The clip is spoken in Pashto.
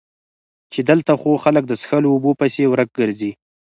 چې دلته خو خلک د څښلو اوبو پسې ورک ګرځي